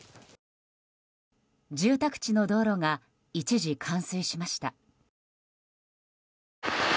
住宅地の道路が一時、冠水しました。